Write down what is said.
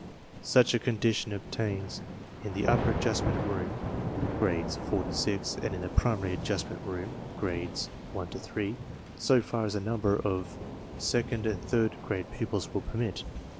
Such a condition obtains in the Upper Adjustment Room (Grades 4 to 6), and in the Primary Adjustment Room (Grades 1 to 3) so far as the number of second and third grade pupils will permit.